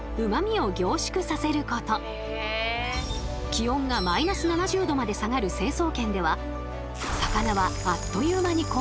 気温がマイナス７０℃まで下がる成層圏では魚はあっという間に凍ります。